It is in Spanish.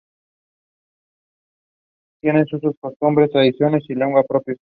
Tienen usos, costumbres, tradiciones y lengua propios.